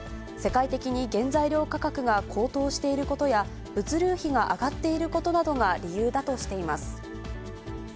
世界的に原材料価格が高騰していることや、物流費が上がっていることなどが理由だとしています。